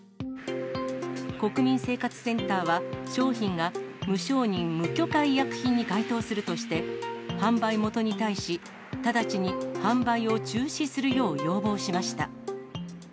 国民生活センターは、商品が無承認無許可医薬品に該当するとして、販売元に対し、直ちに販売を中止するよう要望しました。